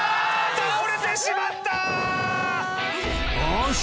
倒れてしまった！